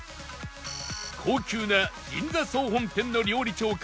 高級な銀座総本店の料理長